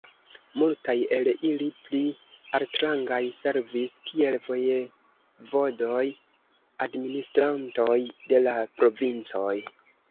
Multaj el ili, pli altrangaj, servis kiel vojevodoj, administrantoj de la provincoj.